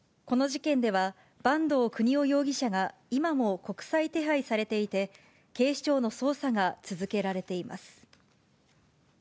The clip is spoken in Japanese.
この事件では、坂東国男容疑者が今も国際手配されていて、警視庁の捜査が続けられています。